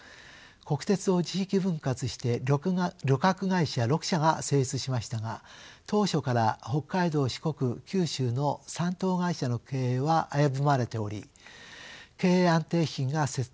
国鉄を地域分割して旅客会社６社が成立しましたが当初から北海道四国九州の３島会社の経営は危ぶまれており経営安定基金が設定されました。